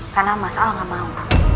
karena mas al gak mau